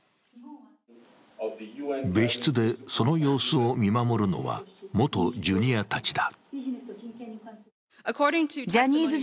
別室で、その様子を見守るのは元ジュニアたちだ。